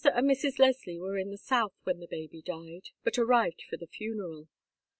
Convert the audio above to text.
and Mrs. Leslie were in the south when the baby died, but arrived for the funeral.